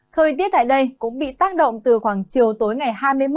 thời tiết tại đây cũng bị tác động từ khoảng chiều tối ngày hai mươi một